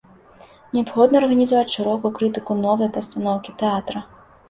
Неабходна арганізаваць шырокую крытыку новай пастаноўкі тэатра.